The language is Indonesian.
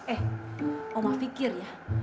eh oma pikir ya